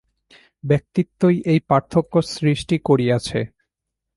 ব্যক্তিত্বই এই পার্থক্য সৃষ্টি করিয়াছে।